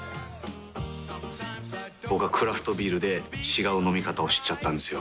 僕はクラフトビールで違う飲み方を知っちゃったんですよ。